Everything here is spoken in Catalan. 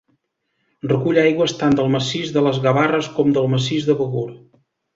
Recull aigües tant del massís de les Gavarres com del massís de Begur.